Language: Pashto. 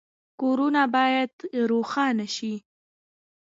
کورونه باید روښانه شي